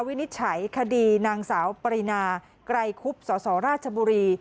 วินิจฉัยคดีนางสาวปรินาไกรคุบสสราชบุรี